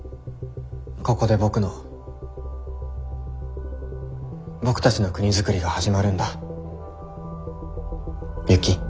ここで僕の僕たちの国づくりが始まるんだユキ。